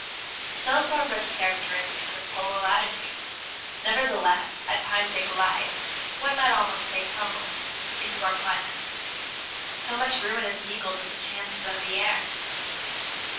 Snowstorms are characteristic of polar latitudes; nevertheless, at times they glide one might almost say tumble into our climates; so much ruin is mingled with the chances of the air.